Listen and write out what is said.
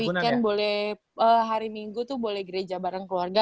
weekend boleh hari minggu tuh boleh gereja bareng keluarga